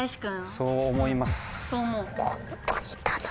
そう思います。